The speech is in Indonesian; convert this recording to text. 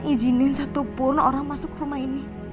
ijinin satupun orang masuk ke rumah ini